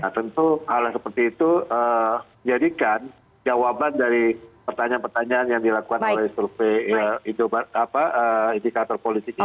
nah tentu hal yang seperti itu menjadikan jawaban dari pertanyaan pertanyaan yang dilakukan oleh survei indikator politik ini